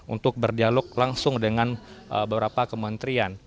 untuk berdialog langsung dengan beberapa kementerian